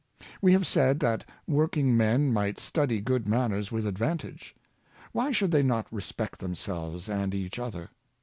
We have said that working men might study good manners with advantage. Why should they not respect themselves and each other